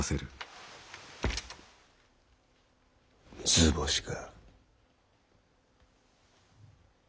図星か。